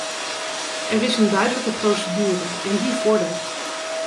Er is een duidelijke procedure, en die vordert.